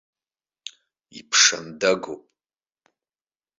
Иԥшандагоуп.